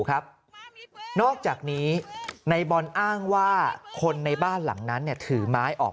ครับนอกจากนี้ในบอลอ้างว่าคนในบ้านหลังนั้นถือไม้ออก